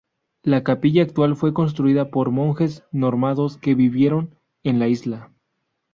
La capilla actual fue construida por monjes normandos que vivieron en la isla.